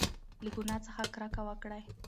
له ګناه څخه کرکه وکړئ.